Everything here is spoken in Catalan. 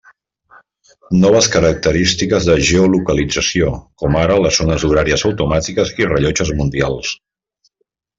Noves característiques de geolocalització, com ara les zones horàries automàtiques i rellotges mundials.